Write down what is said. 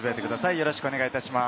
よろしくお願いします。